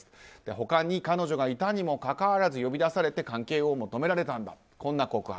他に彼女がいたにもかかわらず呼び出されて関係を求められたんだこんな告白。